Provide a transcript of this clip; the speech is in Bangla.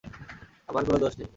আমার কোনো দোষ নেই।